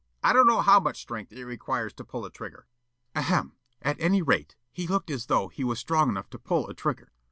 I don't know how much strength it requires to pull a trigger." Counsel: "Ahem! At any rate, he looked as though he was strong enough to pull a trigger?"